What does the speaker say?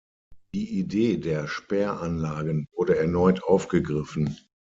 Die Idee der Sperranlagen wurde erneut aufgegriffen.